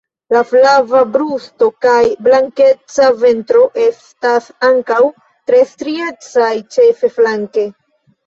La flava brusto kaj blankeca ventro estas ankaŭ tre striecaj ĉefe flanke.